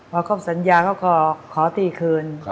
พอเขาสัญญาเขาก็ขอที่คืน